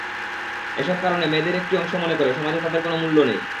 এসব কারণে মেয়েদের একটি অংশ মনে করে, সমাজে তাদের কোনো মূল্য নেই।